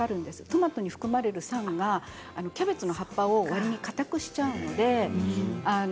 トマトに含まれる酸がキャベツの葉っぱをかたくしちゃうので。